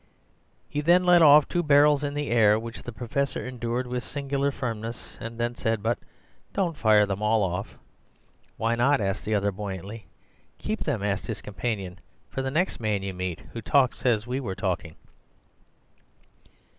"He then let off two barrels in the air, which the Professor endured with singular firmness, and then said, 'But don't fire them all off.' "'Why not' asked the other buoyantly. "'Keep them,' asked his companion, 'for the next man you meet who talks as we were talking.